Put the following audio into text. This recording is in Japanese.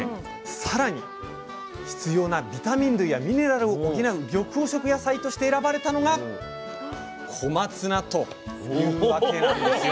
更に必要なビタミン類やミネラルを補う緑黄色野菜として選ばれたのが小松菜というわけなんです。